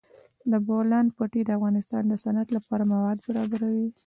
د بولان پټي د افغانستان د صنعت لپاره مواد برابروي.